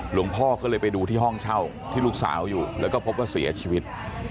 หลวงพ่อก็เลยไปดูที่ห้องเช่าที่ลูกสาวอยู่แล้วก็พบว่าเสียชีวิต